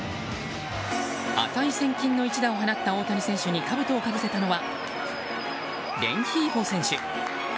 値千金の一打を放った大谷選手にかぶとをかぶせたのはレンヒーフォ選手。